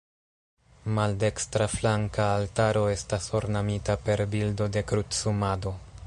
Maldekstra flanka altaro estas ornamita per bildo de Krucumado.